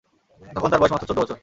তখন তাঁর বয়স মাত্র চৌদ্দ বছর।